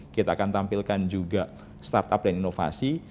kita akan tampilkan juga startup dan inovasi